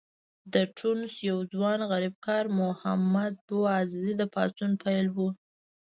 د ټونس یو ځوان غریبکار محمد بوعزیزي د پاڅون پیل و.